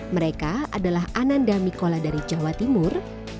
mereka adalah ananda mikola dari jawa timur